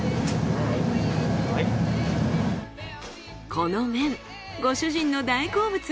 この麺ご主人の大好物。